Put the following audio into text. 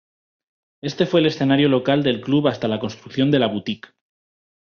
Este fue el escenario local del club hasta la construcción de La Boutique.